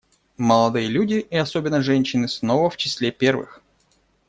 Молодые люди — и особенно женщины — снова в числе первых.